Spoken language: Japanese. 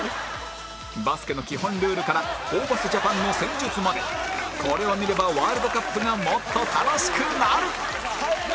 バスケの基本ルールからホーバス ＪＡＰＡＮ の戦術までこれを見ればワールドカップがもっと楽しくなる！